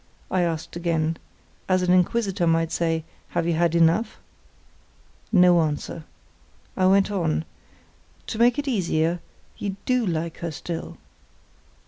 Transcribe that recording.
I asked again, as an inquisitor might say, "Have you had enough?" No answer. I went on: "To make it easier, you do like her still."